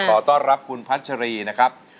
ขอต้อนรับคุณพัชรีนะครับ